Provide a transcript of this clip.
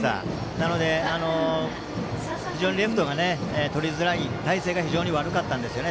なので、非常にレフトがとりづらい、体勢が悪かったんですよね。